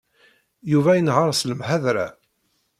Yuba inehheṛ s lemḥadra.